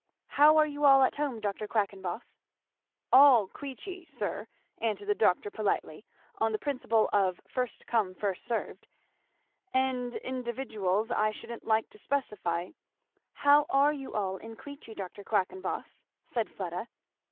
"How are you all at home, Dr. Quackenboss?" "All Queechy, sir," answered the doctor politely, on the principle of 'first come, first served,' "and individuals, I shouldn't like to specify " "How are you all in Queechy, Dr. Quackenboss!" said Fleda.